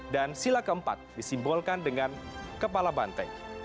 dan sila keempat disimbolkan dengan kepala banteng